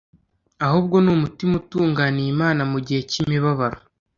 ahubwo ni umutima utunganiye Imana mu gihe cy’Imibabaro,